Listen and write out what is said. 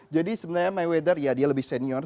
jadi sebenarnya mayweather ya dia lebih senior